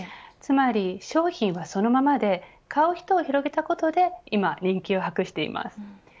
つまり商品はそのままで買う人を広げたことで今人気を博しています。